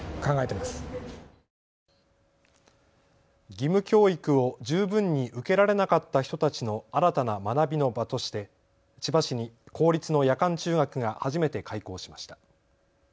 義務教育を十分に受けられなかった人たちの新たな学びの場として千葉市に公立の夜間中学が初めて開校しました。